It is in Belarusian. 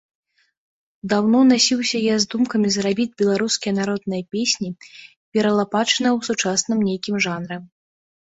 Даўно насіўся я з думкамі зрабіць беларускія народныя песні, пералапачаныя ў сучасным нейкім жанры.